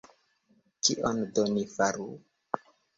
Kion do ni faru?